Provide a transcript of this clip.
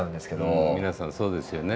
皆さんそうですよね。